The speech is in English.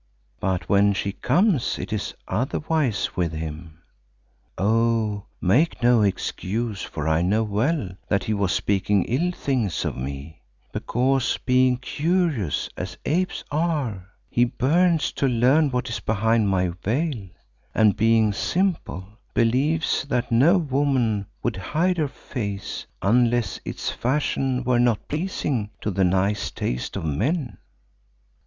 But when she comes it is otherwise with him. Oh! make no excuse, for I know well that he was speaking ill things of me, because being curious, as apes are, he burns to learn what is behind my veil, and being simple, believes that no woman would hide her face unless its fashion were not pleasing to the nice taste of men."